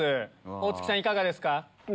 大朏さんいかがですか？